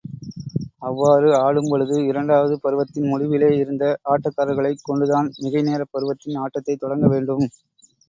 அவ்வாறு ஆடும்பொழுது, இரண்டாவது பருவத்தின் முடிவிலே இருந்த ஆட்டக்காரர்களைக் கொண்டுதான் மிகை நேரப் பருவத்தின் ஆட்டத்தைத் தொடங்க வேண்டும்.